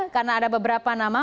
karena ada beberapa nama